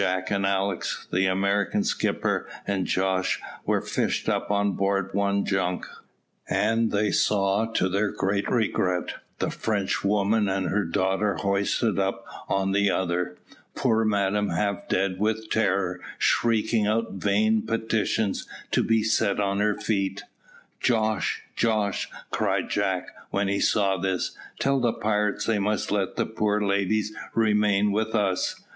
Jack, Alick, the American skipper, and Jos were fished up on board one junk, and they saw, to their great regret, the Frenchwoman and her daughter hoisted up on the other, poor madame half dead with terror, shrieking out vain petitions to be set on her feet. "Jos, Jos," cried Jack, when he saw this, "tell the pirates they must let the poor ladies remain with us.